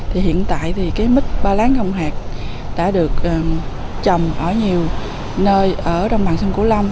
thì hiện tại thì cái mít ba lán không hạt đã được trồng ở nhiều nơi ở đồng bằng sông cửu long